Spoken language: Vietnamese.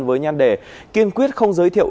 với nhanh để kiên quyết không giới thiệu